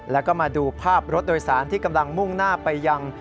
แล้วก็มาดูภาพรถโดยสารที่กำลังมุ่งหน้าไปยัง